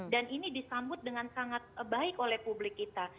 dan ini disambut dengan sangat baik oleh publik kita